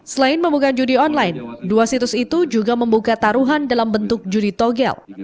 selain membuka judi online dua situs itu juga membuka taruhan dalam bentuk judi togel